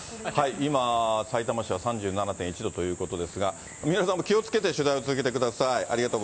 今、さいたま市は３７．１度だということですが、三浦さんも気をつけて取材続けてください。